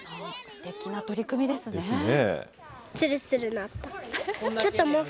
すてきな取り組みですね。ですね。